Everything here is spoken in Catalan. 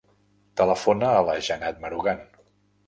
Telefona a la Janat Marugan.